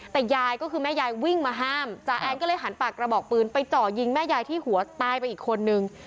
แต่ยายก็คือแม่ยายวิ่งมาห้ามจ่าแอนก็เลยหันปากกระบอกปืนไปเจาะยิงแม่ยายที่หัวตายไปอีกคนนึง